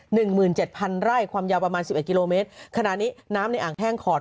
หนึ่งหมื่นเจ็ดพันไร่ความยาวประมาณสิบเอ็ดกิโลเมตรขณะนี้น้ำในอ่างแห้งขอด